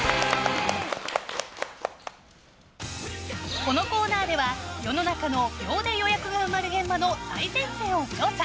このコーナーでは世の中の秒で予約が埋まる現場の最前線を調査。